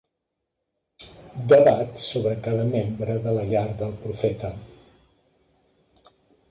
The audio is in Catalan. Debat sobre cada membre de la llar del Profeta.